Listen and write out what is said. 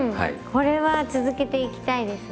これは続けていきたいですね。